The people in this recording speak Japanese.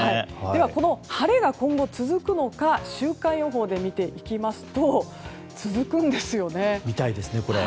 では、晴れが今後続くのか週間予報で見ていきますと続くんですよね。